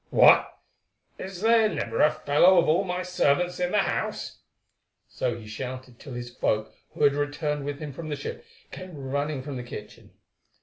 What! is there never a fellow of all my servants in the house?" So he shouted till his folk, who had returned with him from the ship, came running from the kitchen.